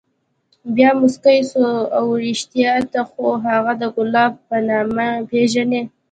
بيا موسكى سو اوه رښتيا ته خو هغه د ګلاب په نامه پېژنې.